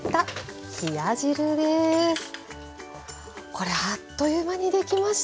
これあっという間にできましたね。